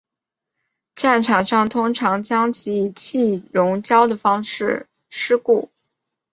战场上通常将其以气溶胶的方式施放。